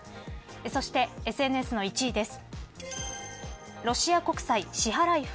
そして、ＳＮＳの１位です。